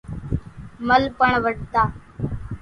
مل پڻ وڍتا۔